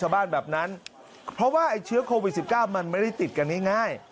แบบนั้นเพราะว่าไอ้เชื้อโควิด๑๙มันไม่ได้ติดกันง่าย